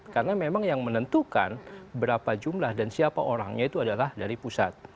karena memang yang menentukan berapa jumlah dan siapa orangnya itu adalah dari pusat